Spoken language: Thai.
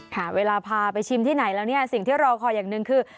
ค่ะเวลาพาไปชิมที่ไหนแล้วเนี่ยสิ่งที่รอคอยอย่างหนึ่งคือ